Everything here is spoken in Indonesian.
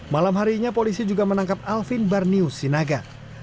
malam harinya polisi juga menangkap alvin barnius sinaga